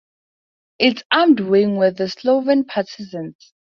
Its armed wing were the Slovene Partisans.